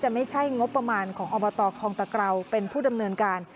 ไม่ใช่งบประมาณของอบตคองตะเกราเป็นผู้ดำเนินการ